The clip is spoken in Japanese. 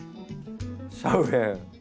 シャウエン。